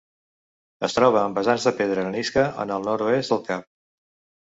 Es troba en vessants de pedra arenisca en el nord-oest del cap.